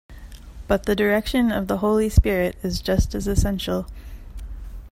But the direction of the Holy Spirit is just as essential...